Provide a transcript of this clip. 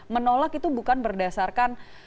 menolak itu bukan berdasarkan